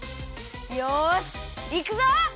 よしいくぞ！